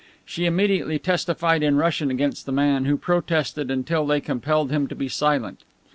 She immediately testified in Russian against the man, who protested until they compelled him to be silent.